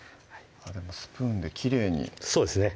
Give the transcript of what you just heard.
スプーンできれいにそうですね